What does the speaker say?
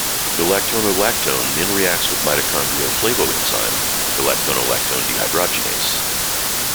-Galactonolactone then reacts with the mitochondrial ﬂavoenzyme -galactonolactone dehydrogenase.